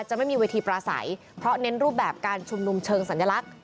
จะไม่มีเวทีปราศัยเพราะเน้นรูปแบบการชุมนุมเชิงสัญลักษณ